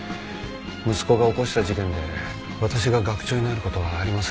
息子が起こした事件で私が学長になる事はありませんから。